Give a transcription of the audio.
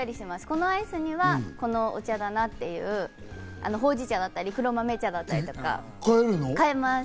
このアイスにはこのお茶だなっていう、ほうじ茶だったり黒豆茶だったり、変えます。